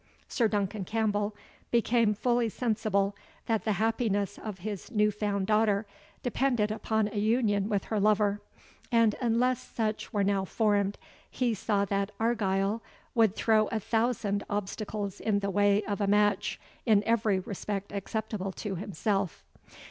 Sir Duncan Campbell became fully sensible that the happiness of his new found daughter depended upon a union with her lover; and unless such were now formed, he saw that Argyle would throw a thousand obstacles in the way of a match in every respect acceptable to himself.